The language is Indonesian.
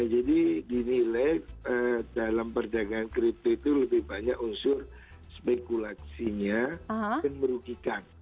jadi dinilai dalam perjagaan kripto itu lebih banyak unsur spekulasinya yang merugikan